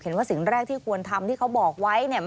เห็นว่าสิ่งแรกที่ควรทำที่เขาบอกไว้เนี่ย